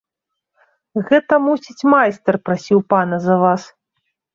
Гэта, мусіць, майстар прасіў пана за вас.